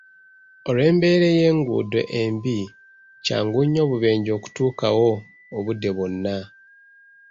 Olw'embeera ey'enguudo embi , kyangu nnyo obubenje okutuukawo obudde bwonna.